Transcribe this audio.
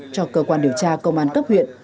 cho cơ quan điều tra công an cấp huyện